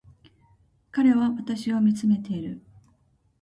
彼は私を見つめている